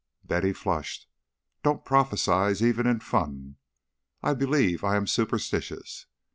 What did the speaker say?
Betty flushed. "Don't prophesy, even in fun. I believe I am superstitious.